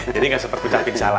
jadi gak sempet ucapin salam